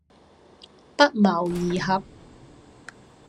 不謀而合